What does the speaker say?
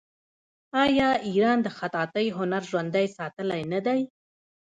آیا ایران د خطاطۍ هنر ژوندی ساتلی نه دی؟